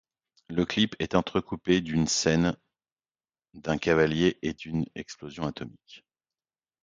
Le clip est entrecoupé de scènes d'un cavalier et d'une explosion atomique.